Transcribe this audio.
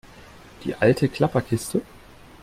Die alte Klapperkiste?